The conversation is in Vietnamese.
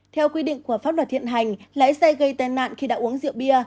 theo quy định của pháp luật hiện hành lái xe gây tai nạn khi đã uống rượu bia